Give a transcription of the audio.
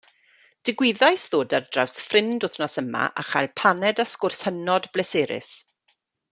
Digwyddais ddod ar draws ffrind wythnos yma a chael paned a sgwrs hynod bleserus.